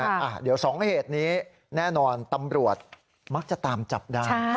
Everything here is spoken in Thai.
เดี๋ยวสองเหตุนี้แน่นอนตำรวจมักจะตามจับได้